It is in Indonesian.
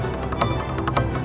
aku dijalankan prepat